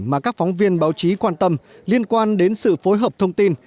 mà các phóng viên báo chí quan tâm liên quan đến sự phối hợp thông tin